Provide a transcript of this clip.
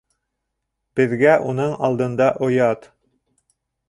Беҙгә уның алдында оят!